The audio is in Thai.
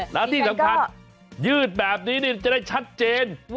แล้วนี่ดังทันยืดแบบนี้นี่จะได้ชัดเจน